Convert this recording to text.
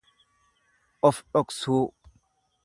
Of dhoksuu.